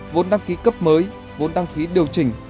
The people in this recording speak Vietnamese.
vốn đăng ký cấp mới vốn đăng ký điều chỉnh